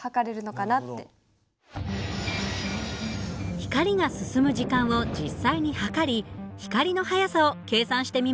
光が進む時間を実際に計り光の速さを計算してみました。